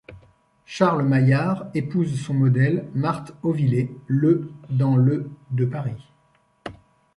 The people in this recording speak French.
Charles Maillard épouse son modèle, Marthe Ovillé, le dans le de Paris.